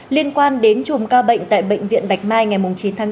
liên quan đến chùm ca bệnh tại bệnh viện bạch mai ngày chín tháng bốn